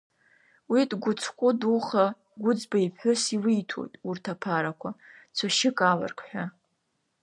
Уи дгәыцхәы духа Гәыӡба иԥҳәыс илиҭоит урҭ аԥарақәа, цәашьык аларк ҳәа.